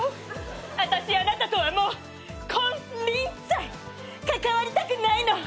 あたしあなたとはもう金輪際関わりたくないの。